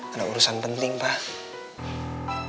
ada urusan penting pak